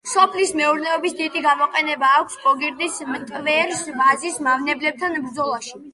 სოფლის მეურნეობაში დიდი გამოყენება აქვს გოგირდის მტვერს ვაზის მავნებლებთან ბრძოლაში.